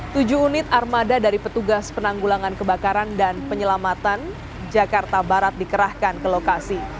tujuh unit armada dari petugas penanggulangan kebakaran dan penyelamatan jakarta barat dikerahkan ke lokasi